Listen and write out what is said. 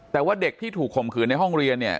แต่ว่าเด็กที่ถูกข่มขืนในห้องเรียนเนี่ย